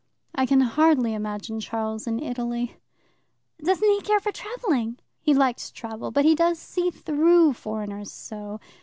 "I can hardly imagine Charles in Italy." "Doesn't he care for travelling?" "He likes travel, but he does see through foreigners so.